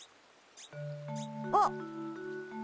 あっ。